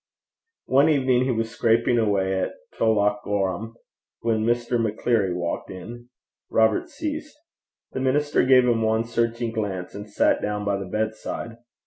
One evening he was scraping away at Tullochgorum when Mr. Maccleary walked in. Robert ceased. The minister gave him one searching glance, and sat down by the bedside.